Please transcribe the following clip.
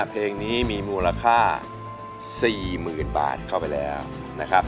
เพลงนี้มีมูลค่า๔๐๐๐บาทเข้าไปแล้วนะครับ